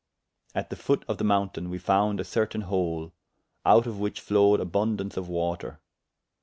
At the foot of the mountayne we founde a certayne hole, out of whiche flowed aboundance of water.